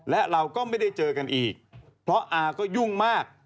และเราก็ไม่ได้เจอกันอีกเพราะอาก็ยุ่งมาก